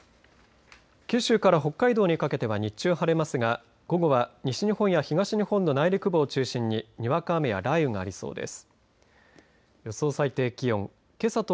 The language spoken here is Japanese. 九州から北海道にかけては日中晴れますが午後は西日本や東日本の内陸部を中心ににわか雨や雷雨がありそうです。